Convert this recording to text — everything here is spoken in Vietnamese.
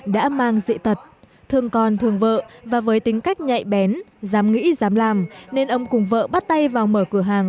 đã mang dị tật thương con thương vợ và với tính cách nhạy bén dám nghĩ dám làm nên ông cùng vợ bắt tay vào mở cửa hàng